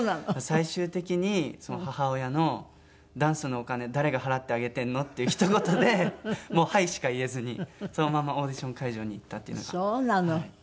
最終的に母親の「ダンスのお金誰が払ってあげてるの？」っていうひと言でもう「はい」しか言えずにそのままオーディション会場に行ったっていうのが。